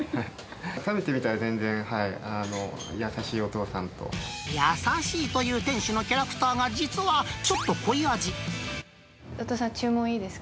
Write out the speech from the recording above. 食べてみたら全然、優しいお父さ優しいという店主のキャラクお父さん、注文いいですか？